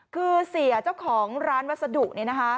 คือเสียเจ้าของร้านวัสดุเนี่ยนะคะ